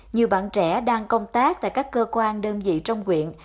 nhiều bạn trẻ đang công tác tại các cơ quan đơn vị trong quyện